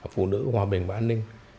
phụ nữ hòa bình và an ninh